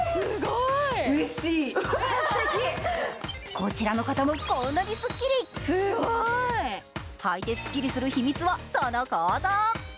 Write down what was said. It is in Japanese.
こちらの方も、これだけすっきりはいてすっきりする秘密は、その構造。